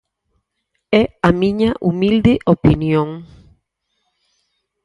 É a miña humilde opinión.